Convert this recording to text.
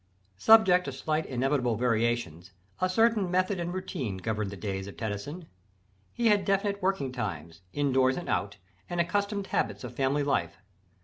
] Subject to slight inevitable variations, a certain method and routine governed the day of Tennyson. He had definite working times, indoors and out, and accustomed habits of family life.